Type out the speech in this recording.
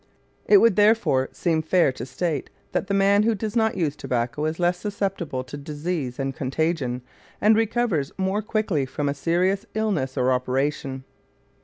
It would therefore seem fair to state that the man who does not use tobacco is less susceptible to disease and contagion, and recovers more quickly from a serious illness or operation.